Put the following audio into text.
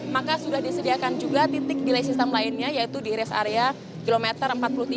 maka sudah disediakan juga titik delay system lainnya yaitu di rest area kilometer empat puluh tiga